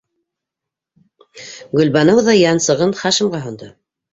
Гөлбаныу ҙа янсығын Хашимға һондо...